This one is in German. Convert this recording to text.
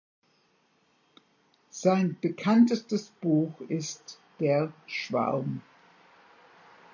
Sein bekanntestes Buch ist "Der Schwarm".